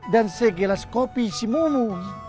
dan segelas kopi isi mumu